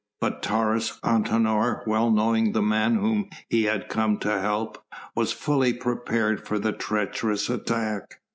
But Taurus Antinor well knowing the man whom he had come to help was fully prepared for the treacherous attack.